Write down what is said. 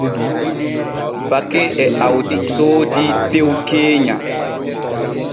Bake e Awdi soodii tew keenya.